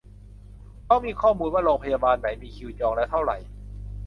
เพราะมีข้อมูลว่าโรงพยาบาลไหนมีคิวจองแล้วเท่าไหร่